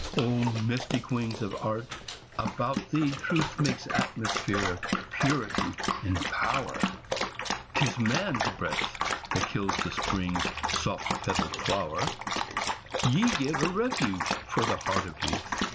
O mystic wings of Art, about thee Truth Makes atmosphere of purity and power; 'Tis man's breath kills the spring's soft petaled flower Ye give a refuge for the heart of youth.